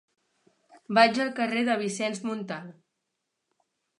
Vaig al carrer de Vicenç Montal.